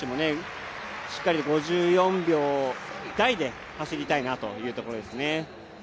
この選手もしっかり５４秒台で走りたいなというところですね。